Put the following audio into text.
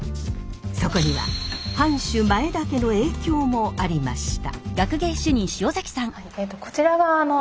そこには藩主前田家の影響もありました。